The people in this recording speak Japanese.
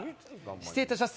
失礼いたします